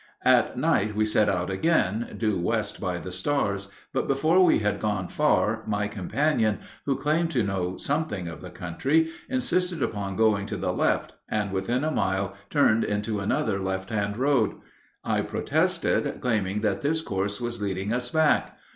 At night we set out again, due west by the stars, but before we had gone far my companion, who claimed to know something of the country, insisted upon going to the left, and within a mile turned into another left hand road. I protested, claiming that this course was leading us back.